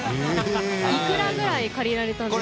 いくらぐらい借りられたんですか？